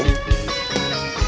kamu sedih kenapa